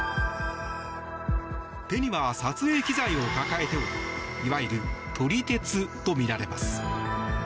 手には撮影機材を抱えておりいわゆる撮り鉄とみられます。